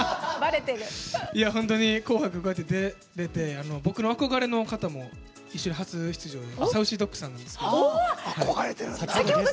本当に「紅白」出られて僕の憧れの方も初出場でＳａｕｃｙＤｏｇさんなんですけど。